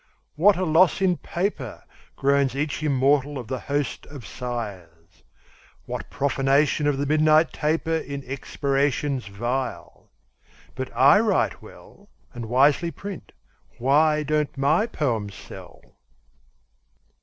"What a loss in paper," Groans each immortal of the host of sighers! "What profanation of the midnight taper In expirations vile! But I write well, And wisely print. Why don't my poems sell?"